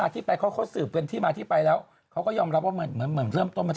อ่าเมื่อวานไปงานศพ